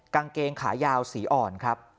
กางเกงขายาวสีอ่อนครับ